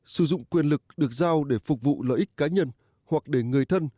sử dụng quyền lực được giao để phục vụ lợi ích cá nhân hoặc để người thân